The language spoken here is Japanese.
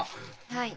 はい。